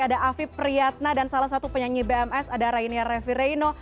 ada afib priyatna dan salah satu penyanyi bms ada rainia revireno